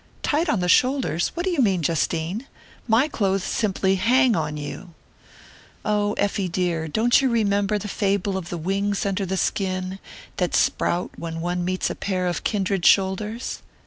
"Tight on the shoulders? What do you mean, Justine? My clothes simply hang on you!" "Oh, Effie dear, don't you remember the fable of the wings under the skin, that sprout when one meets a pair of kindred shoulders?"